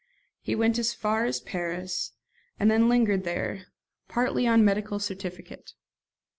He went as far as Paris, and then lingered there, partly on medical certificate.